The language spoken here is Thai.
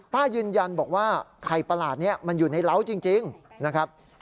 ป้ายืนยันบอกว่าไข่ประหลาดนี้มันอยู่ในเล้าจริงนะครับ